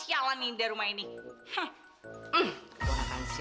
eh yang ini sebelumnya itu ord came what me wnis